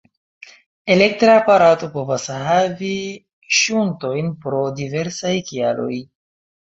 Elektra aparato povas havi ŝuntojn pro diversaj kialoj.